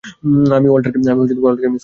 আমি ওয়াল্টারকে মিস করছি।